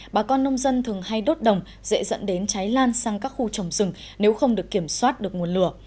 bà con nông dân thường hay đốt đồng dễ dẫn đến cháy lan sang các khu trồng rừng nếu không được kiểm soát được nguồn lửa